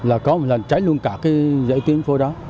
là có một lần cháy luôn cả cái dãy tuyến phố đó